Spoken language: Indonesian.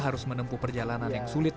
harus menempuh perjalanan yang sulit